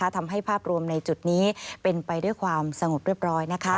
ทำให้ภาพรวมในจุดนี้เป็นไปด้วยความสงบเรียบร้อย